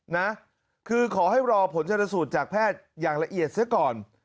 นะคือขอให้รอผลชนสูตรจากแพทย์อย่างละเอียดเสียก่อน